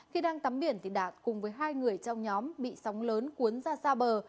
khi đang tắm biển thì đạt cùng với hai người trong nhóm bị sóng lớn cuốn ra xa bờ